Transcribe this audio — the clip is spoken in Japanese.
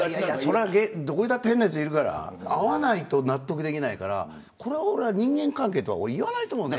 どこにでも変なやつはいるから会わないと納得できないからこれを人間関係とは言わないと思うのよ。